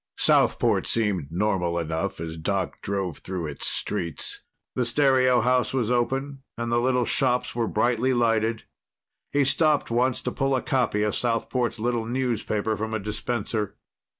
Southport seemed normal enough as Doc drove through its streets. The stereo house was open, and the little shops were brightly lighted. He stopped once to pull a copy of Southport's little newspaper from a dispenser.